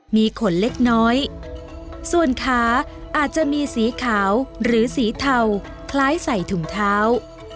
มีขนเล็กน้อยส่วนขาอาจจะมีสีขาวหรือสีเทาคล้ายใส่ถุงเท้า